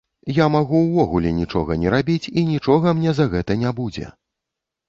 Я магу ўвогуле нічога не рабіць, і нічога мне за гэта не будзе.